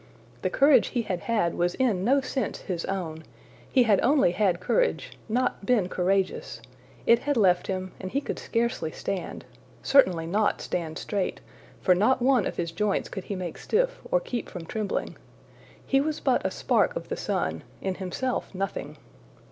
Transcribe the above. The courage he had had was in no sense his own he had only had courage, not been courageous; it had left him, and he could scarcely stand certainly not stand straight, for not one of his joints could he make stiff or keep from trembling. He was but a spark of the sun, in himself nothing.